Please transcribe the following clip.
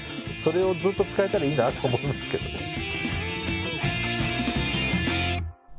それをずっと使えたらいいなと思いますけどね。